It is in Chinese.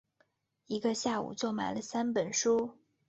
一个下午就买了三本书